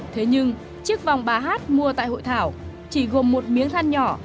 thế nhưng chiếc vòng bà hát mua tại hội thảo chỉ gồm một miếng than nhỏ